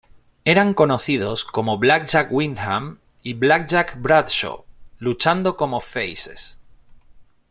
Eran conocidos como Blackjack Windham y Blackjack Bradshaw, luchando como "faces".